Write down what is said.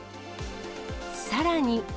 さらに。